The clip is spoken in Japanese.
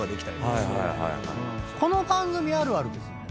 この番組あるあるですよね。